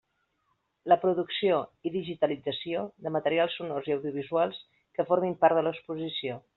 La producció i digitalització de materials sonors i audiovisuals que formin part de l'exposició.